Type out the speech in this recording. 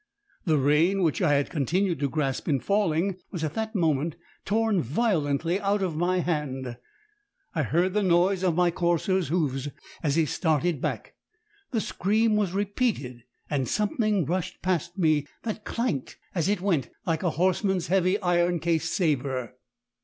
The rein, which I had continued to grasp in falling, was at that moment torn violently out of my hand I heard the noise of my courser's hoofs as he started back the scream was repeated, and something rushed past me that clanked as it went like a horseman's heavy iron cased sabre.